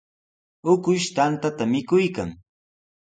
Ukush tantata mikuykan.